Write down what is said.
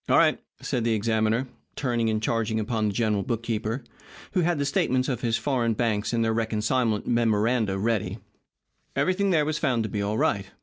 "All right," said the examiner, turning and charging upon the general bookkeeper, who had the statements of his foreign banks and their reconcilement memoranda ready. Everything there was found to be all right.